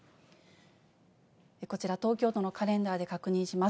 こちら、東京都のカレンダーで確認します。